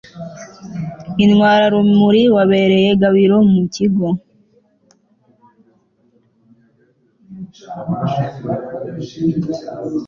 intwararumuri wabereye gabiro mu kigo